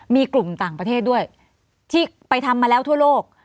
มีกลุ่มต่างประเทศด้วยที่ไปทำมาแล้วทั่วโลก